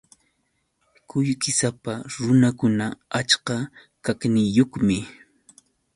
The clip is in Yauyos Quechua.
Qullqisapa runakuna achka kaqniyuqmi.